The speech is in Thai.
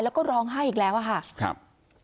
แล้วก็ร้องไห้อีกแล้วอะค่ะครับ